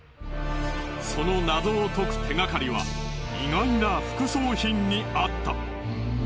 その謎を解く手がかりは意外な副葬品にあった。